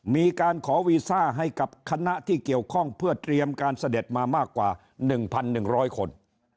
มีการขอวีซ่าให้กับคณะที่เกี่ยวข้องเพื่อเตรียมการเสด็จมามากกว่า๑๑๐๐คน